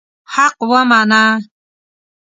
حق ومنه.